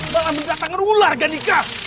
malah mendatangkan ular gandika